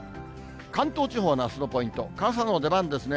関東地方のあすのポイント、傘の出番ですね。